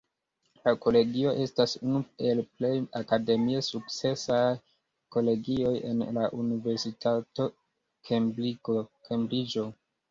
La Kolegio estas unu el plej akademie sukcesaj kolegioj en la Universitato Kembriĝo.